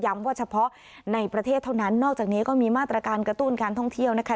ว่าเฉพาะในประเทศเท่านั้นนอกจากนี้ก็มีมาตรการกระตุ้นการท่องเที่ยวนะคะ